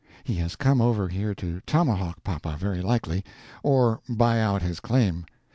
He has come over here to tomahawk papa, very likely—or buy out his claim.